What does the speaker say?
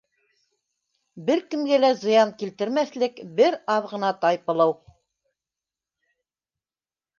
Бер кемгә лә зыян килтермәҫлек бер аҙ ғына тайпылыу.